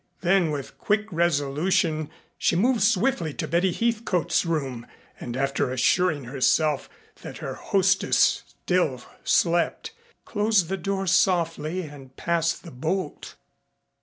Then with quick resolution she moved swiftly to Betty Heathcote's room and, after assuring herself that her hostess still slept, closed the door softly and passed the bolt.